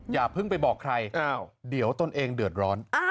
อย่าเพิ่งไปบอกใครเดี๋ยวตนเองเดือดร้อน